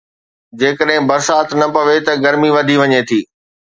جيڪڏهن برسات نه پوي ته گرمي وڌي وڃي ٿي.